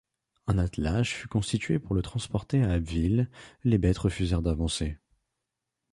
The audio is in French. Un attelage fut constitué pour le transporter à Abbeville, les bêtes refusèrent d’avancer.